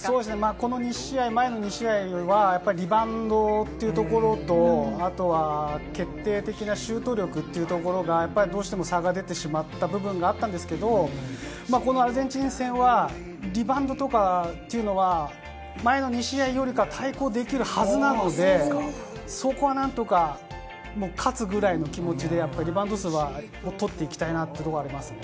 この前の２試合はリバウンドというところと、あとは決定的なシュート力というところがどうしても差が出てしまった部分があったんですけど、アルゼンチン戦はリバウンドとかというのは、前の２試合よりは対抗できるはずなので、そこは何とか勝つぐらいの気持ちでリバウンド数は取っていきたいなというところはありますね。